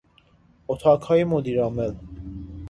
اتاقهای مدیر عامل